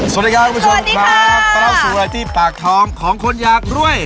สวัสดีค่ะวันนี้เรามาที่ปากทองของคนอยากร่วย